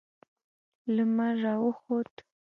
لمر راوخوت